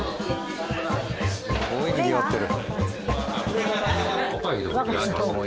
すごいにぎわってる。